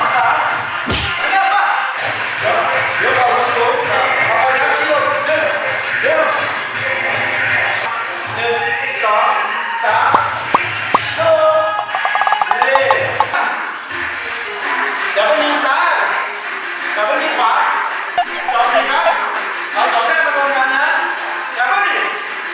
สวัสดีครับบอร์ดสำหรับทุกคนนะครับสำหรับทุกคนนะครับสาวมารัก